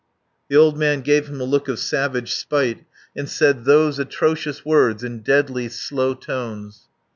The old man gave him a look of savage spite, and said those atrocious words in deadly, slow tones.